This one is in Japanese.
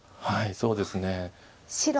はいそうですね。